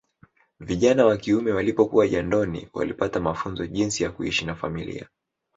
Vijana wa kiume walipokuwa jandoni walipata mafunzo jinsi ya kuishi na familia